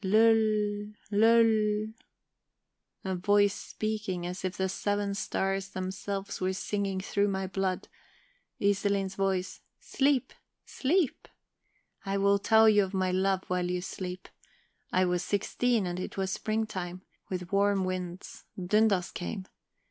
Lul! lul! A voice speaking, as if the Seven Stars themselves were singing through my blood; Iselin's voice: "Sleep, sleep! I will tell you of my love while you sleep. I was sixteen, and it was springtime, with warm winds; Dundas came.